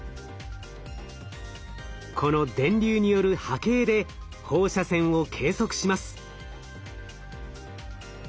この電流による波形で放射線を計測します。